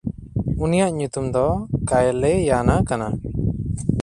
ᱩᱱᱤᱭᱟᱜ ᱧᱩᱛᱩᱢ ᱫᱚ ᱠᱟᱭᱞᱮᱭᱟᱱᱟ ᱠᱟᱱᱟ᱾